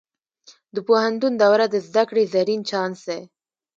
د پوهنتون دوره د زده کړې زرین چانس دی.